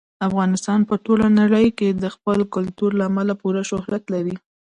افغانستان په ټوله نړۍ کې د خپل کلتور له امله پوره شهرت لري.